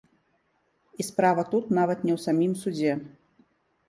І справа тут нават не ў самім судзе.